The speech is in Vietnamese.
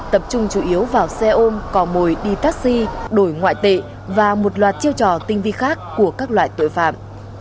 tập trung chủ yếu vào xe ôm cò mồi đi taxi đổi ngoại tệ và một loạt chiêu trò tinh vi khác của các loại tội phạm